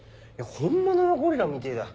本物のゴリラみてえだ。